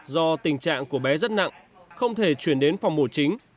do tình trạng của bé rất nặng không thể chuyển đến phòng mổ chính